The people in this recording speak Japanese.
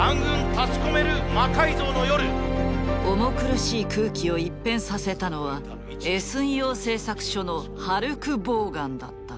重苦しい空気を一変させたのはＳ陽製作所のハルク・ボーガンだった。